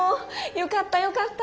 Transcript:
よかったよかった。